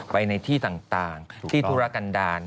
ไปในที่ต่างที่ธุรกันดาล